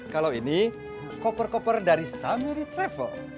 kalau ini koper koper dari summiry travel